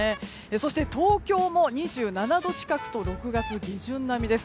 そして、東京も２７度近くと６月下旬並みです。